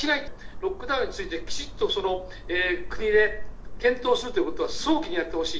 ロックダウンについて、きちっと国で検討するということを早期にやってほしい。